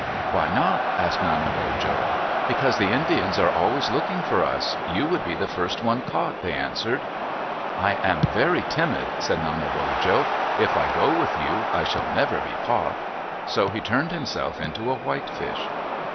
"Why not?" asked Nanebojo. "Because the Indians are always looking for us. You would be the first one caught," they answered. "I am very timid," said Nanebojo. "If I go with you, I shall never be caught." So he turned himself into a whitefish.